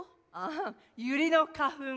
あユリの花粉。